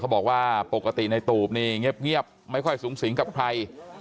บอกว่าปกติในตูบนี่เงียบไม่ค่อยสูงสิงกับใคร